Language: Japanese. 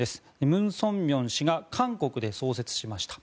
ムン・ソンミョン氏が韓国で創設しました。